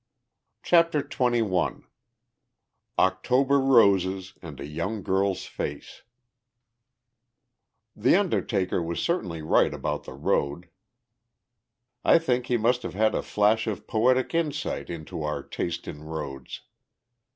CHAPTER XXI OCTOBER ROSES AND A YOUNG GIRL'S FACE The undertaker was certainly right about the road. I think he must have had a flash of poetic insight into our taste in roads.